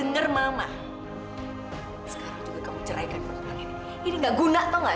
lebih baik bicaranya di dalam aja